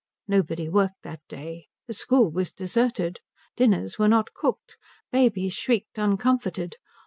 Nobody worked that day. The school was deserted. Dinners were not cooked. Babies shrieked uncomforted.